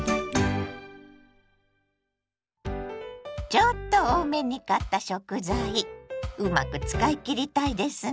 ちょっと多めに買った食材うまく使い切りたいですね。